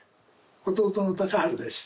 弟の孝晴です。